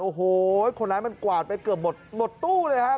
โอ้โหคนร้ายมันกวาดไปเกือบหมดหมดตู้เลยครับ